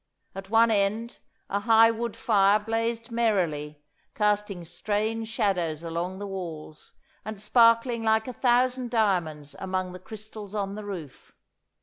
At one end a high wood fire blazed merrily, casting strange shadows along the walls, and sparkling like a thousand diamonds among the crystals on the roof.